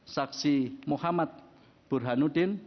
saksi muhammad burhanuddin